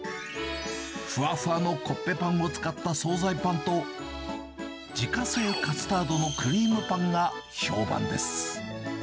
ふわふわのコッペパンを使った総菜パンと、自家製カスタードのクリームパンが評判です。